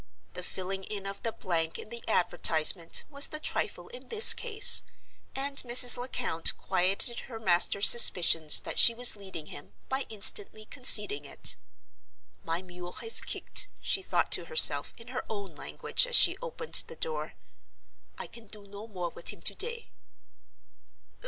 The filling in of the blank in the advertisement was the trifle in this case; and Mrs. Lecount quieted her master's suspicions that she was leading him by instantly conceding it. "My mule has kicked," she thought to herself, in her own language, as she opened the door. "I can do no more with him to day."